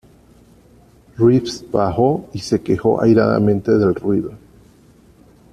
Reeves bajó y se quejó airadamente del ruido.